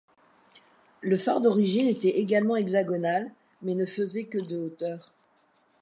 Le phare d'origine était également hexagonal, mais ne faisait que de hauteur.